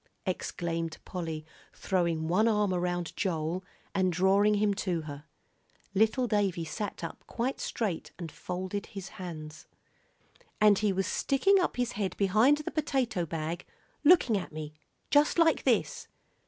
exclaimed Polly, throwing one arm around Joel, and drawing him to her. Little Davie sat up quite straight and folded his hands. "And he was sticking up his head behind the potato bag, looking at me just like this."